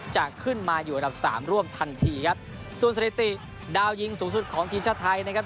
จะขึ้นมาอยู่อันดับสามร่วมทันทีครับส่วนสถิติดาวยิงสูงสุดของทีมชาติไทยนะครับ